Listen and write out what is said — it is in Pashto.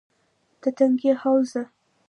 - د تنگي حوزه: